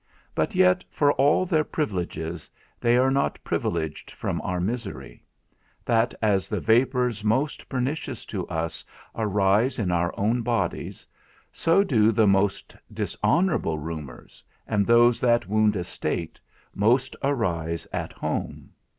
But yet for all their privileges, they are not privileged from our misery; that as the vapours most pernicious to us arise in our own bodies, so do the most dishonourable rumours, and those that wound a state most arise at home.